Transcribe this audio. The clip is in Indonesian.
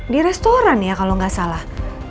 di restoran ya kalau nggak salah